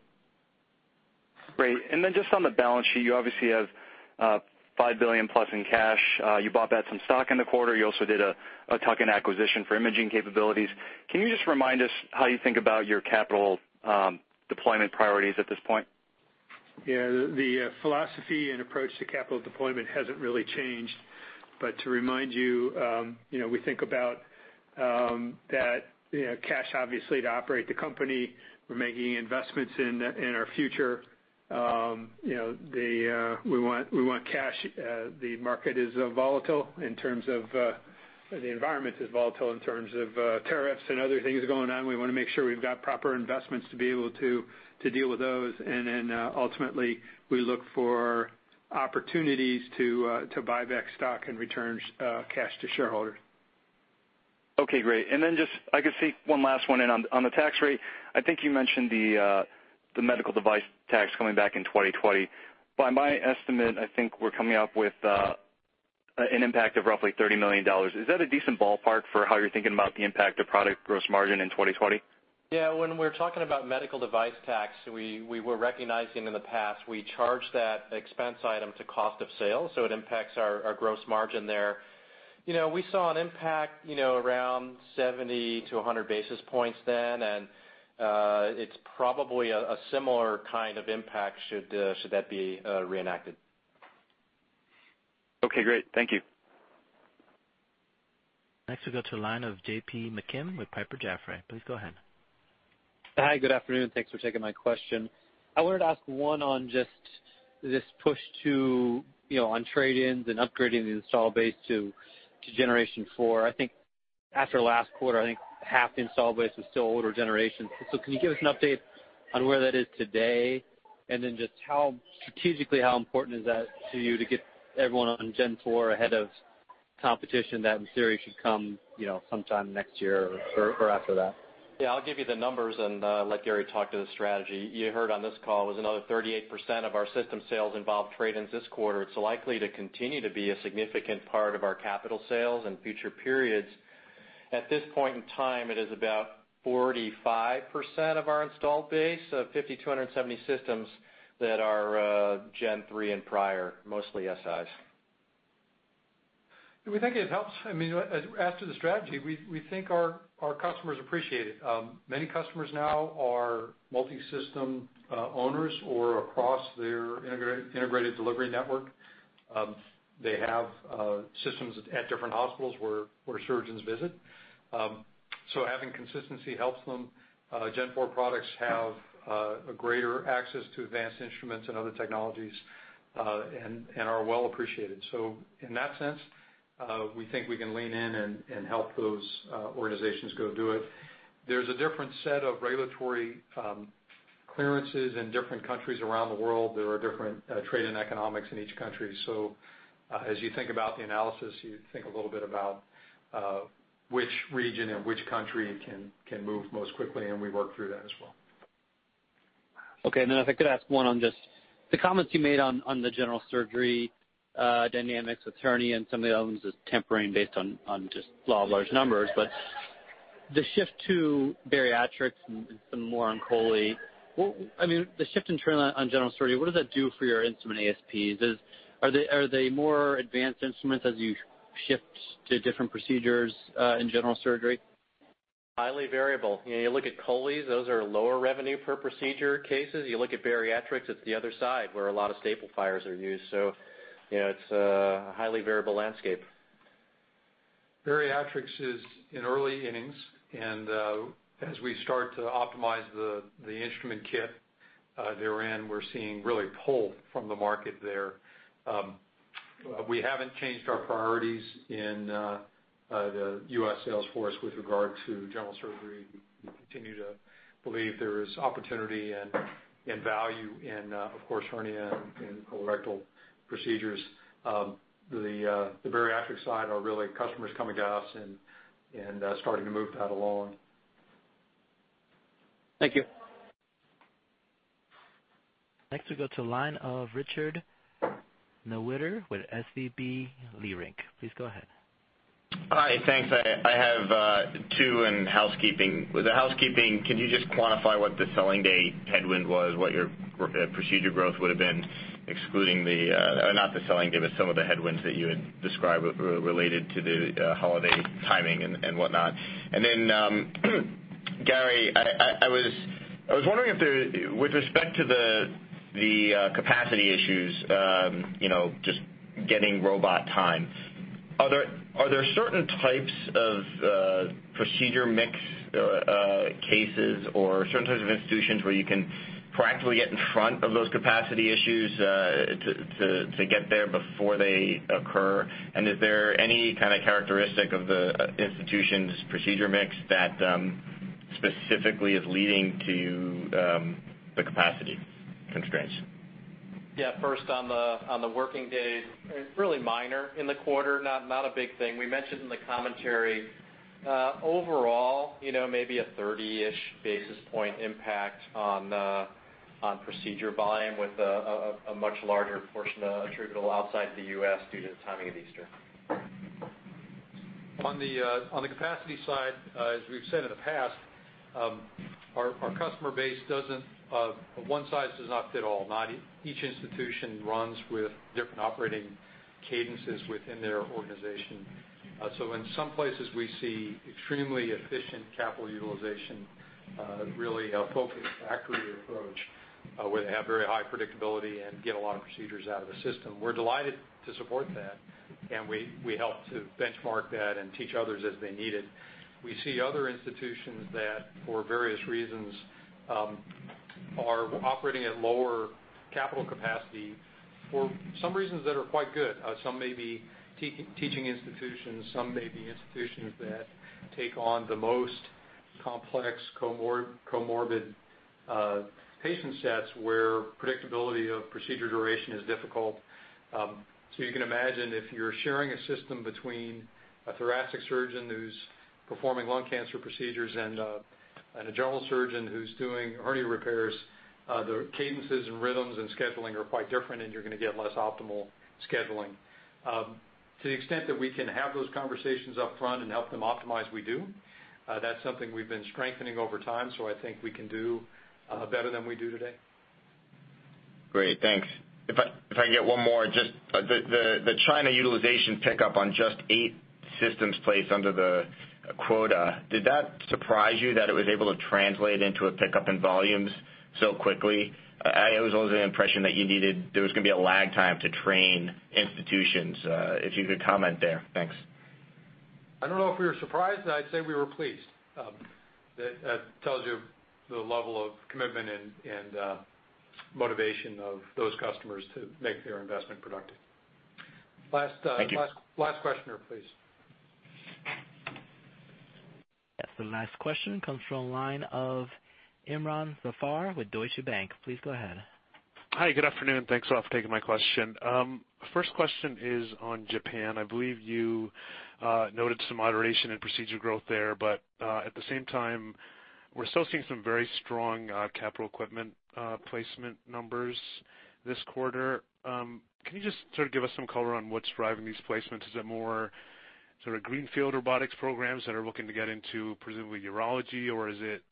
Great. Just on the balance sheet, you obviously have $5 billion plus in cash. You bought back some stock in the quarter. You also did a tuck-in acquisition for imaging capabilities. Can you just remind us how you think about your capital deployment priorities at this point? The philosophy and approach to capital deployment hasn't really changed. To remind you, we think about that cash, obviously, to operate the company. We're making investments in our future. The market is volatile in terms of the environment is volatile in terms of tariffs and other things going on. We want to make sure we've got proper investments to be able to deal with those. Ultimately, we look for opportunities to buy back stock and return cash to shareholders. Okay, great. Just, I guess, one last one. On the tax rate, I think you mentioned the medical device tax coming back in 2020. By my estimate, I think we're coming up with an impact of roughly $30 million. Is that a decent ballpark for how you're thinking about the impact of product gross margin in 2020? Yeah. When we're talking about medical device tax, we were recognizing in the past we charged that expense item to cost of sale, so it impacts our gross margin there. We saw an impact around 70-100 basis points then, it's probably a similar kind of impact should that be reenacted. Okay, great. Thank you. Next we go to the line of J.P. McKim with Piper Jaffray. Please go ahead. Hi, good afternoon. Thanks for taking my question. I wanted to ask one on just this push to on trade-ins and upgrading the install base to Generation 4. After last quarter, I think half the install base was still older generations. Can you give us an update on where that is today? Just strategically, how important is that to you to get everyone on Gen 4 ahead of competition that in theory should come sometime next year or after that? Yeah, I'll give you the numbers and let Gary talk to the strategy. You heard on this call was another 38% of our system sales involved trade-ins this quarter. It's likely to continue to be a significant part of our capital sales in future periods. At this point in time, it is about 45% of our installed base, so 5,270 systems that are Gen 3 and prior, mostly SIs. We think it helps. As to the strategy, we think our customers appreciate it. Many customers now are multi-system owners or across their integrated delivery network. They have systems at different hospitals where surgeons visit. Having consistency helps them. Gen 4 products have a greater access to advanced instruments and other technologies and are well appreciated. In that sense, we think we can lean in and help those organizations go do it. There's a different set of regulatory clearances in different countries around the world. There are different trade and economics in each country. As you think about the analysis, you think a little bit about which region and which country can move most quickly, and we work through that as well. Okay. If I could ask one on just the comments you made on the general surgery dynamics with hernia and some of the elements is tempering based on just law of large numbers. The shift to bariatrics and some more on chole, the shift in turn on general surgery, what does that do for your instrument ASPs? Are they more advanced instruments as you shift to different procedures in general surgery? Highly variable. You look at choles, those are lower revenue per procedure cases. You look at bariatrics, it's the other side where a lot of staple fires are used. It's a highly variable landscape. Bariatrics is in early innings. As we start to optimize the instrument kit therein, we're seeing really pull from the market there. We haven't changed our priorities in the U.S. sales force with regard to general surgery. We continue to believe there is opportunity and value in, of course, hernia and colorectal procedures. The bariatric side are really customers coming to us and starting to move that along. Thank you. Next we go to line of Richard Newitter with SVB Leerink. Please go ahead. Hi. Thanks. I have two in housekeeping. With the housekeeping, can you just quantify what the selling day headwind was, what your procedure growth would've been excluding the, not the selling day, but some of the headwinds that you had described related to the holiday timing and whatnot. Gary, I was wondering with respect to the capacity issues, just getting robot time. Are there certain types of procedure mix cases or certain types of institutions where you can practically get in front of those capacity issues to get there before they occur? Is there any kind of characteristic of the institution's procedure mix that specifically is leading to the capacity constraints? Yeah. First on the working day, it's really minor in the quarter, not a big thing. We mentioned in the commentary, overall maybe a 30-ish basis point impact on procedure volume with a much larger portion attributable outside the U.S. due to the timing of Easter. On the capacity side, as we've said in the past, our customer base one size does not fit all. Each institution runs with different operating cadences within their organization. In some places we see extremely efficient capital utilization, really a focused factory approach, where they have very high predictability and get a lot of procedures out of the system. We're delighted to support that, and we help to benchmark that and teach others as they need it. We see other institutions that, for various reasons, are operating at lower capital capacity for some reasons that are quite good. Some may be teaching institutions, some may be institutions that take on the most complex comorbid patient sets where predictability of procedure duration is difficult. You can imagine if you're sharing a system between a thoracic surgeon who's performing lung cancer procedures and a general surgeon who's doing hernia repairs, the cadences and rhythms and scheduling are quite different, and you're going to get less optimal scheduling. To the extent that we can have those conversations up front and help them optimize, we do. That's something we've been strengthening over time. I think we can do better than we do today. Great. Thanks. If I can get one more, just the China utilization pickup on just eight systems placed under the quota. Did that surprise you that it was able to translate into a pickup in volumes so quickly? I was under the impression that there was going to be a lag time to train institutions. If you could comment there. Thanks. I don't know if we were surprised. I'd say we were pleased. That tells you the level of commitment and motivation of those customers to make their investment productive. Thank you. Last questioner, please. The last question comes from the line of Imron Zafar with Deutsche Bank. Please go ahead. Hi. Good afternoon. Thanks a lot for taking my question. First question is on Japan. I believe you noted some moderation in procedure growth there. At the same time, we're still seeing some very strong capital equipment placement numbers this quarter. Can you just sort of give us some color on what's driving these placements? Is it more sort of greenfield robotics programs that are looking to get into presumably urology, or is it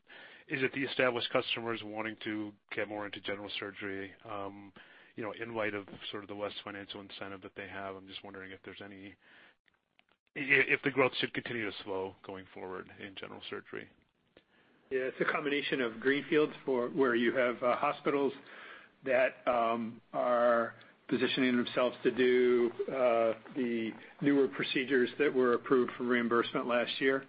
the established customers wanting to get more into general surgery in light of sort of the less financial incentive that they have? I'm just wondering if the growth should continue to slow going forward in general surgery. Yeah. It's a combination of greenfields where you have hospitals that are positioning themselves to do the newer procedures that were approved for reimbursement last year.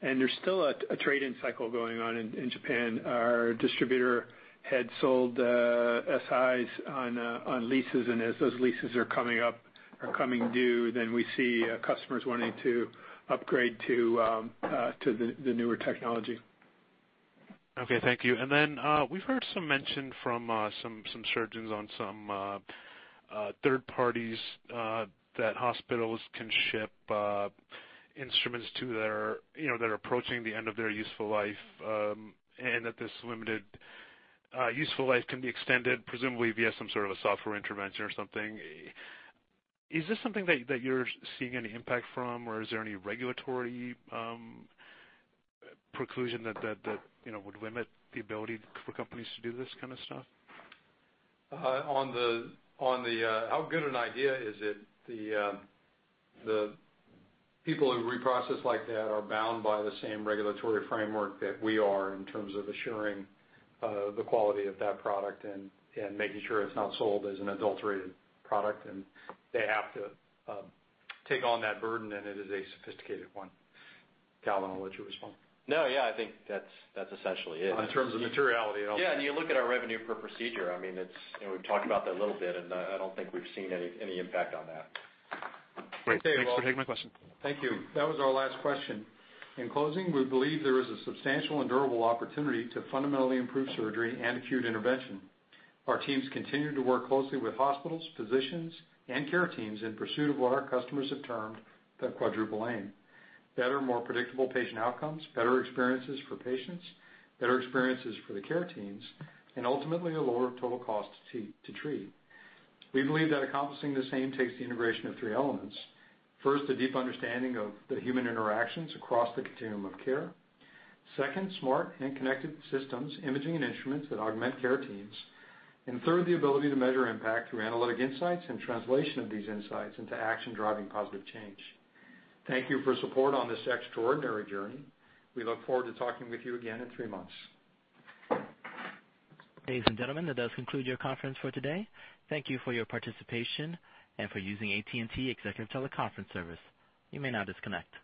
There's still a trade-in cycle going on in Japan. Our distributor had sold SiS on leases. As those leases are coming due, we see customers wanting to upgrade to the newer technology. Okay. Thank you. We've heard some mention from some surgeons on some third parties that hospitals can ship instruments to that are approaching the end of their useful life, and that this limited useful life can be extended presumably via some sort of a software intervention or something. Is this something that you're seeing any impact from, or is there any regulatory preclusion that would limit the ability for companies to do this kind of stuff? On the how good an idea is it, the people who reprocess like that are bound by the same regulatory framework that we are in terms of assuring the quality of that product and making sure it's not sold as an adulterated product. They have to take on that burden, and it is a sophisticated one. Calvin, I'll let you respond. No, yeah, I think that's essentially it. In terms of materiality. Yeah. You look at our revenue per procedure, I mean, we've talked about that a little bit, and I don't think we've seen any impact on that. Great. Okay. Thanks for taking my question. Thank you. That was our last question. In closing, we believe there is a substantial and durable opportunity to fundamentally improve surgery and acute intervention. Our teams continue to work closely with hospitals, physicians, and care teams in pursuit of what our customers have termed the Quadruple Aim: better, more predictable patient outcomes, better experiences for patients, better experiences for the care teams, and ultimately a lower total cost to treat. We believe that accomplishing the same takes the integration of three elements. First, a deep understanding of the human interactions across the continuum of care. Second, smart and connected systems, imaging and instruments that augment care teams. Third, the ability to measure impact through analytic insights and translation of these insights into action-driving positive change. Thank you for support on this extraordinary journey. We look forward to talking with you again in three months. Ladies and gentlemen, that does conclude your conference for today. Thank you for your participation and for using AT&T Executive Teleconference Service. You may now disconnect.